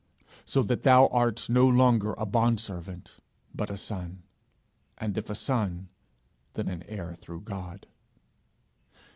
So that thou art no longer a bondservant, but a son; and if a son, then an heir through God.'